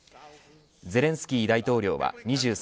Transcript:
ゼレンスキー大統領は２３日